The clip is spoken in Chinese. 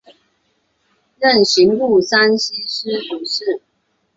任刑部山西司主事。